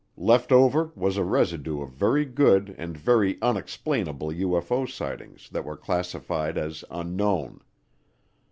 Left over was a residue of very good and very "unexplainable" UFO sightings that were classified as unknown.